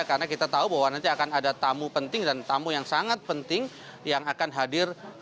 karena kita tahu bahwa nanti akan ada tamu penting dan tamu yang sangat penting yang akan hadir di pernikahan